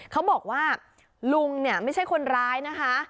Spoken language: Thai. เขาบอกว่าลุงเนี่ยไม่ใช่คนร้ายนะคะ